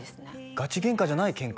ガチゲンカじゃないケンカ？